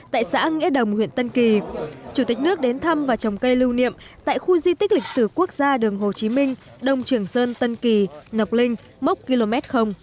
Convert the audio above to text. tại khu di tích lịch sử quốc gia đường hồ chí minh đông trường sơn tân kỳ ngọc linh mốc km